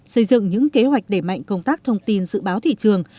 xây dựng những kế hoạch đẩy mạnh công tác thông tin dự báo thị trường